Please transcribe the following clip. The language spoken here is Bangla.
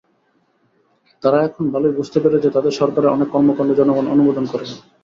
তারা এখন ভালোই বুঝতে পেরেছে তাদের সরকারের অনেক কর্মকাণ্ড জনগণ অনুমোদন করেনি।